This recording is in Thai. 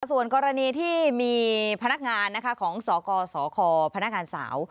ส่วนกรณีที่มีพนักงานของสกสคพนักงานสาว